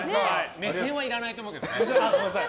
目線はいらないと思うけどね。